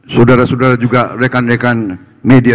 saudara saudara juga rekan rekan media